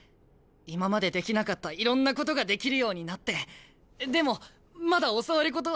今までできなかったいろんなことができるようになってでもまだ教わることはいっぱいあって。